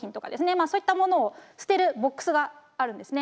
まあそういったものを捨てるボックスがあるんですね。